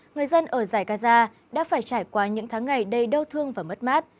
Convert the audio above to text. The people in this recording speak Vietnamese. người dân ở giải gaza đã phải trải qua những tháng ngày đầy đau thương và mất mát